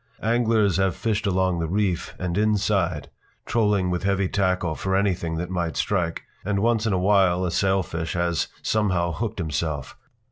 Anglers have fished along the reef and inside, trolling with heavy tackle for anything that might strike, and once in a while a sailfish has somehow hooked himself.